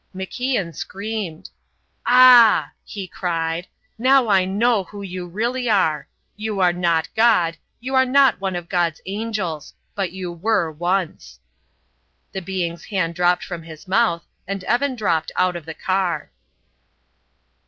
MacIan screamed. "Ah!" he cried. "Now I know who you really are. You are not God. You are not one of God's angels. But you were once." The being's hand dropped from his mouth and Evan dropped out of the car.